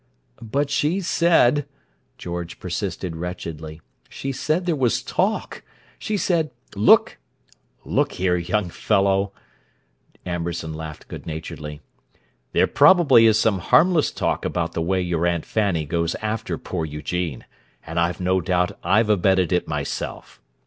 "But she said," George persisted wretchedly; "she said there was talk. She said—" "Look here, young fellow!" Amberson laughed good naturedly. "There probably is some harmless talk about the way your Aunt Fanny goes after poor Eugene, and I've no doubt I've abetted it myself.